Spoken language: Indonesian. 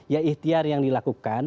ya ihtiar yang dilakukan